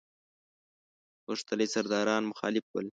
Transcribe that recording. غښتلي سرداران مخالف ول.